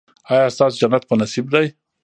ایا ستاسو جنت په نصیب دی؟